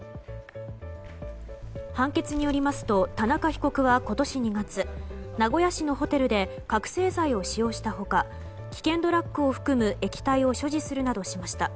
判決によりますと田中被告は今年２月名古屋市のホテルで覚醒剤を使用した他危険ドラッグを含む液体を所持するなどしました。